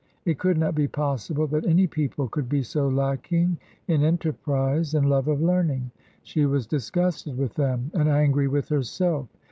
It could not be possible that any people could be so lacking in enterprise and love of learning. She was disgusted with them and angry with herself.